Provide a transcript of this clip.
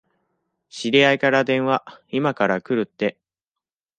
知り合いから電話、いまから来るって。